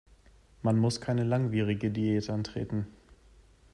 Man muss keine langwierige Diät antreten.